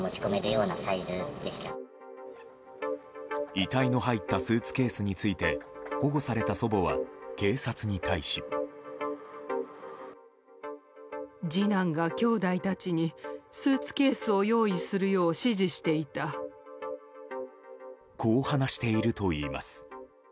遺体の入ったスーツケースについて保護された祖母は、警察に対し。こう話しているといいます。